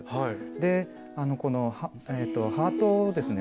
でこのハートをですね